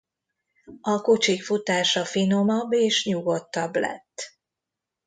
A kocsik futása finomabb és nyugodtabb lett.